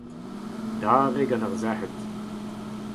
dare gant ar sec'hed